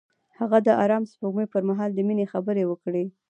هغه د آرام سپوږمۍ پر مهال د مینې خبرې وکړې.